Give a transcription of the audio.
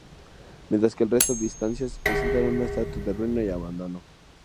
Mientras que el resto de estancias presentan un estrato de ruina y abandono.